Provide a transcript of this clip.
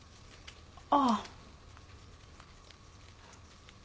ああ。